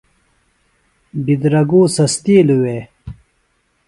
بدراگوۡ سستِیلوۡ وے؟